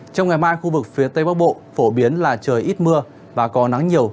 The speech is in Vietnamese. trong ngày mai khu vực phía tây bắc bộ phổ biến là trời ít mưa và có nắng nhiều